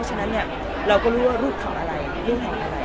ฉะนั้นเราก็รู้ว่าลูกทำเรื่องอะไร